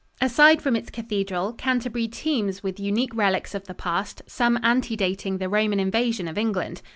Aside from its cathedral, Canterbury teems with unique relics of the past, some antedating the Roman invasion of England.